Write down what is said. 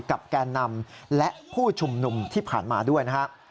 กับแกนนำและผู้ชุมหนุ่มที่ผ่านมาด้วย